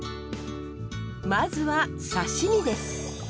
まずは刺身です。